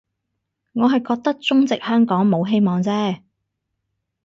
我係覺得中殖香港冇希望啫